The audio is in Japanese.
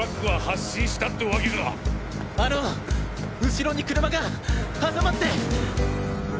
後ろに車が挟まって。